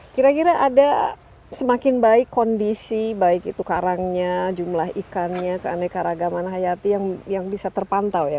kira kira ada semakin baik kondisi baik itu karangnya jumlah ikannya keanekaragaman hayati yang bisa terpantau ya